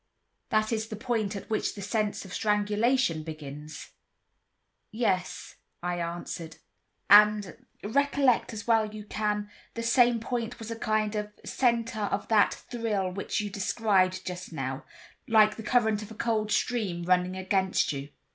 That is the point at which the sense of strangulation begins?" "Yes," I answered. "And—recollect as well as you can—the same point was a kind of center of that thrill which you described just now, like the current of a cold stream running against you?"